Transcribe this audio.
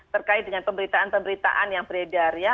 terkait dengan pemberitaan pemberitaan yang beredar ya